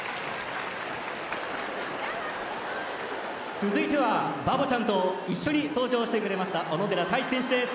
続いては、バボちゃんと一緒に登場してくれました小野寺太志選手です。